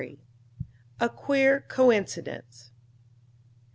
A QUEER COINCIDENCE.